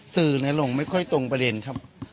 สื่อลงไม่ค่อยตรงประเด็นครับ